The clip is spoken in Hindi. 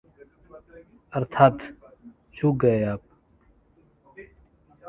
अर्थात्: चूक गए आप!